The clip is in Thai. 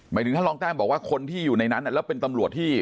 หมายถึงถ้าลองแทนบอกว่าคนที่อยู่ในนั้นแล้วเป็นตำรวจที่